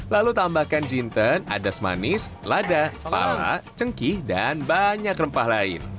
lalu tambahkan jinten adas manis lada pala cengkih dan banyak rempah lain